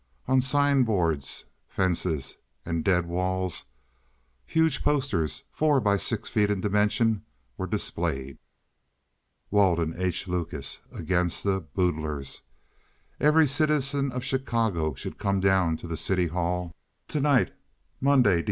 On sign boards, fences, and dead walls huge posters, four by six feet in dimension, were displayed. WALDEN H. LUCAS against the BOODLERS =========================== Every citizen of Chicago should come down to the City Hall TO NIGHT MONDAY, DEC.